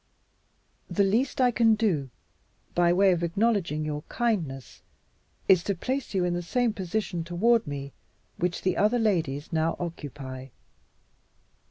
The least I can do, by way of acknowledging your kindness, is to place you in the same position toward me which the other ladies now occupy.